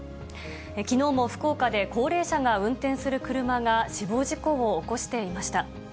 きのうも福岡で、高齢者が運転する車が死亡事故を起こしていました。